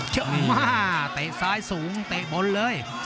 เยอะมากเตะซ้ายสูงเตะบนเลย